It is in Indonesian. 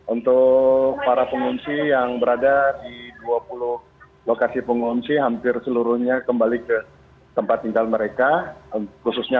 untuk para pengusaha